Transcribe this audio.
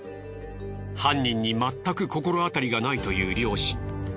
犯人にまったく心当たりがないという両親。